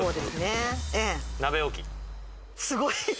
すごい。